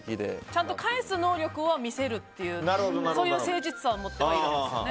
ちゃんと返す能力は見せるというそういう誠実さは持ってるんですよね。